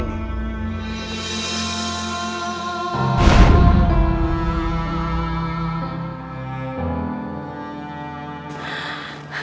aku hanya pihak juara